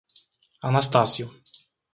Anastácio